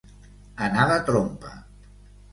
Anar de trompa.